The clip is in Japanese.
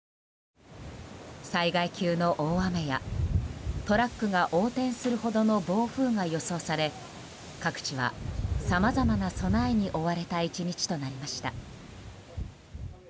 災害級の大雨やトラックが横転するほどの暴風が予想され各地はさまざまな備えに追われた１日となりました。